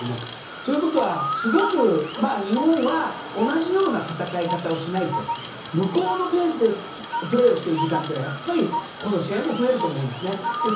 ということは、日本は同じような戦い方をしないと向こうのペースでプレーをしている時間はやっぱりこの試合も増えると思うんです。